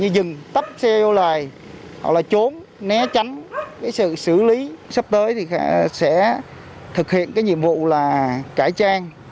đừng tắp xe vô lại trốn né tránh sự xử lý sắp tới sẽ thực hiện nhiệm vụ là cải trang